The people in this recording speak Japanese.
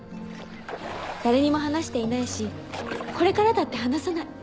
誰にも話していないしこれからだって話さない。